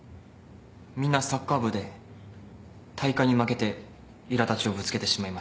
みんなサッカー部で大会に負けていら立ちをぶつけてしまいました。